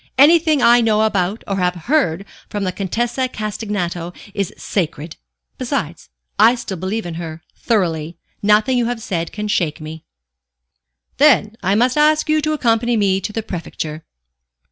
"Anything I know about or have heard from the Contessa Castagneto is sacred; besides, I still believe in her thoroughly. Nothing you have said can shake me." "Then I must ask you to accompany me to the Prefecture.